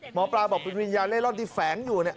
หมอปลาบอกเป็นวิญญาณเล่ร่อนที่แฝงอยู่